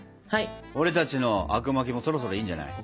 俺たちのあくまきもそろそろいいんじゃない？